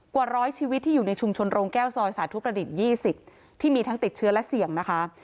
กว่าร้อยชีวิตที่อยู่ในชุมชนโรงแก้วซอยสาธุประดิษฐ์๒๐ที่มีทั้งติดเชื้อและเสี่ยงนะคะ